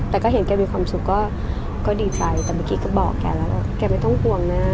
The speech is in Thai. แต่ก็เห็นแกมีความสุขก็ดีใจแต่เมื่อกี้ก็บอกแกแล้วว่าแกไม่ต้องห่วงนะ